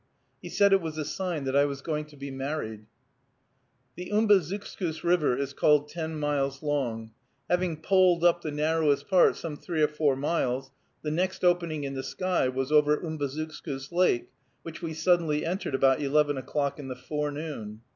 He said it was a sign that I was going to be married. The Umbazookskus River is called ten miles long. Having poled up the narrowest part some three or four miles, the next opening in the sky was over Umbazookskus Lake, which we suddenly entered about eleven o'clock in the forenoon.